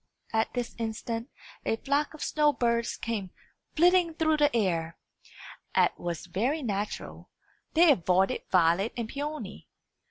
At this instant a flock of snow birds came flitting through the air. As was very natural, they avoided Violet and Peony.